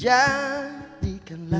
kami akan mencoba